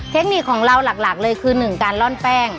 เทคนิคของเราหลักเลยคือ๑การล่อนแป้ง